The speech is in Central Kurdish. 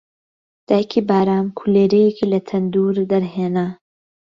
دایکی بارام کولێرەیەکی لە تەندوور دەرهێنا